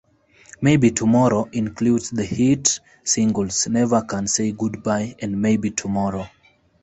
"Maybe Tomorrow" includes the hit singles "Never Can Say Goodbye" and "Maybe Tomorrow".